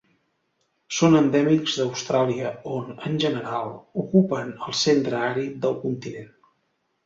Són endèmics d'Austràlia on, en general, ocupen el centre àrid del continent.